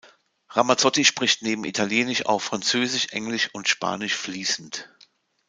Ramazzotti spricht neben italienisch auch französisch, englisch und spanisch fließend.